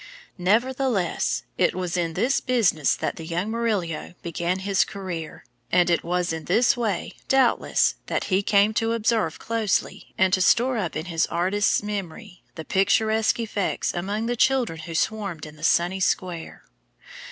Nevertheless, it was in this business that the young Murillo began his career; and it was in this way, doubtless, that he came to observe closely, and to store up in his artist's memory the picturesque effects among the children who swarmed in the sunny square.